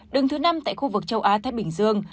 đứng thứ năm tại khu vực châu á thái bình dương